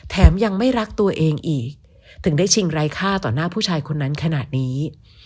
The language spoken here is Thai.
แถมยังไม่รักตัวเองอีกถึงได้ชิงไร้ค่าต่อหน้าผู้ชายคนนั้นขนาดนี้